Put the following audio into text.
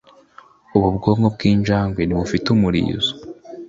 Ubu bwoko bwinjangwe ntibufite umurizo